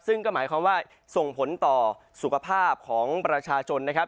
ซึ่งก็หมายความว่าส่งผลต่อสุขภาพของประชาชนนะครับ